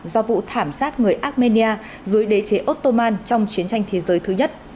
do vụ thảm sát người armenia dưới đế chế otoman trong chiến tranh thế giới thứ nhất